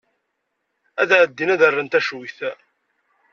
Ad ɛeddin ad rren tacuyt.